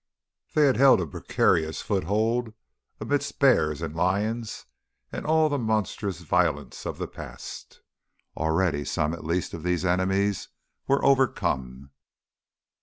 They had held a precarious foothold amidst bears and lions and all the monstrous violence of the past. Already some at least of these enemies were overcome....